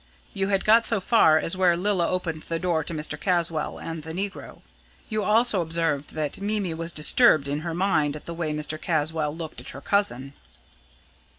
You had got so far as where Lilla opened the door to Mr. Caswall and the negro. You also observed that Mimi was disturbed in her mind at the way Mr. Caswall looked at her cousin."